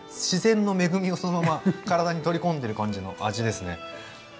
自然の恵みをそのまま体に取り込んでる感じの味ですね。